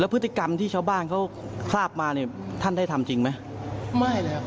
และพฤติกรรมที่ชาวบ้านเขา์ขลาบมาอี้ท่านได้ทำจริงไหม